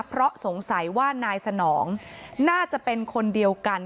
เพราะสงสัยว่านายสนองน่าจะเป็นคนเดียวกัน